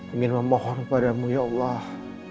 ingin memohon padamu ya allah